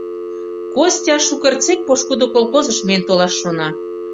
Костя шукертсек пошкудо колхозыш миен толаш шона.